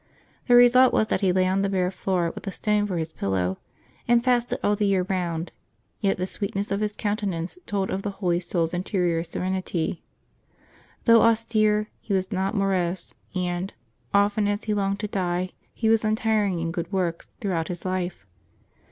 The result was that he lay on the bare floor, with a stone for his pillow, and fasted all the year round; yet the sweetness of his countenance told of the holy souFs interior serenit}^ Though austere, he was not morose; and, often as he longed to die, he was untiring in good works, throughout his life.